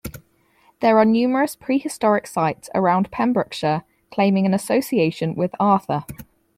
There are numerous prehistoric sites around Pembrokeshire, claiming an association with Arthur.